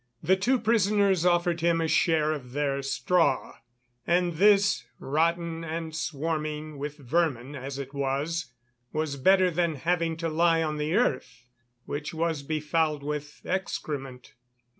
The two prisoners offered him a share of their straw, and this, rotten and swarming with vermin as it was, was better than having to lie on the earth, which was befouled with excrement.